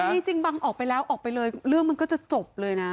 จริงบังออกไปแล้วออกไปเลยเรื่องมันก็จะจบเลยนะ